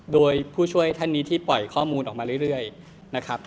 โดยผู้ช่วยท่านนี้ที่ปล่อยข้อมูลออกมาเรื่อยนะครับ